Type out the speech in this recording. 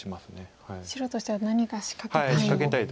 白としては何か仕掛けたい。